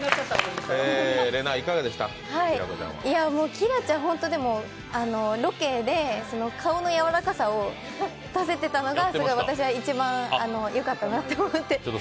きらちゃん、ロケで顔のよさをやわらかさを出せてたのが私は一番よかったなと思って。